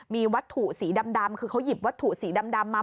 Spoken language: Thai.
มีวัตถุสีดำคือเขาหยิบวัตถุสีดำมา